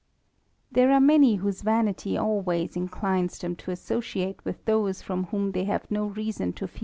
There are many whose vanity always inclines themji associate with those from whom ihey have no reason to fc«